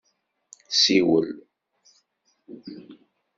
Siwel.